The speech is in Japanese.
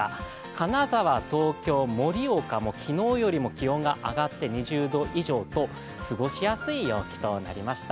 金沢、東京、盛岡と昨日より気温が上がって過ごしやすい陽気となりました。